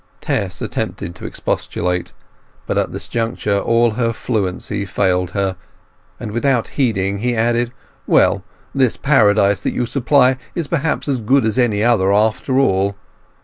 Tess attempted to expostulate, but at this juncture all her fluency failed her, and without heeding he added: "Well, this paradise that you supply is perhaps as good as any other, after all.